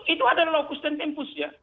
itu adalah lokus dan tempus ya